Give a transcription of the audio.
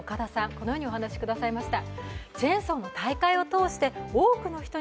このようにお話しくださいました。